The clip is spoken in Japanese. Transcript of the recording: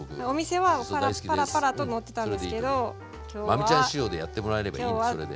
真海ちゃん仕様でやってもらえればいいんですそれで。